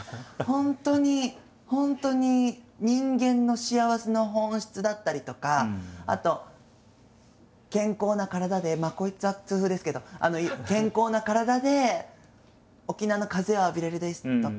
本当に本当に人間の幸せの本質だったりとかあと健康な体でまあこいつは痛風ですけど健康な体で沖縄の風を浴びれるですとか海を見れるとか。